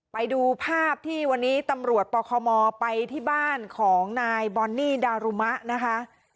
ไปดูภาพที่วันนี้ตำรวจปคมไปที่บ้านของนายบอนนี่ดารุมะนะคะ